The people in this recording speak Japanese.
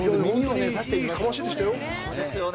いいかわしでしたよね。